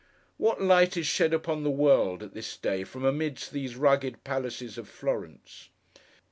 What light is shed upon the world, at this day, from amidst these rugged Palaces of Florence!